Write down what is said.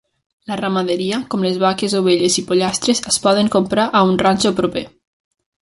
La ramaderia, com les vaques, ovelles i pollastres, es poden comprar a un ranxo proper.